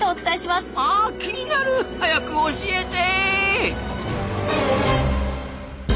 あ気になる！早く教えて！